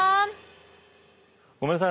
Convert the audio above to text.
ごめんなさい